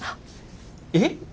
えっ？